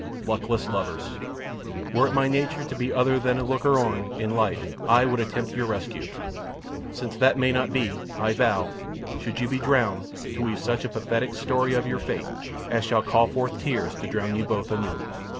Luckless lovers! Were it my nature to be other than a looker on in life, I would attempt your rescue. Since that may not be, I vow, should you be drowned, to weave such a pathetic story of your fate, as shall call forth tears enough to drown you both anew.